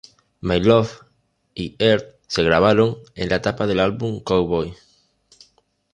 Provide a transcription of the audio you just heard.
My Love y Earth se grabaron en la etapa del álbum Cowboy.